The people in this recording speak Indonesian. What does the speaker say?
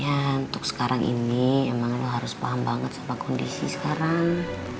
ya untuk sekarang ini emang lo harus paham banget sama kondisi sekarang